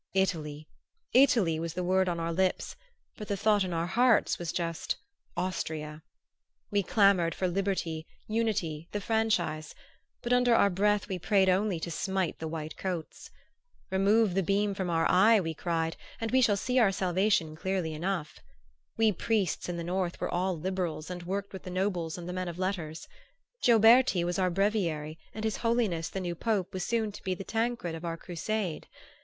Italy Italy was the word on our lips; but the thought in our hearts was just Austria. We clamored for liberty, unity, the franchise; but under our breath we prayed only to smite the white coats. Remove the beam from our eye, we cried, and we shall see our salvation clearly enough! We priests in the north were all liberals and worked with the nobles and the men of letters. Gioberti was our breviary and his Holiness the new Pope was soon to be the Tancred of our crusade.